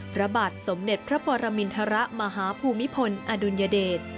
พระบาทสมเด็จพระปรมินทรมาฮภูมิพลอดุลยเดช